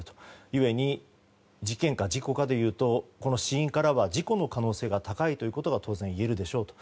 故に、事件か事故かでいうと死因からは事故の可能性が高いということが当然、いえるでしょうと。